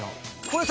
これ。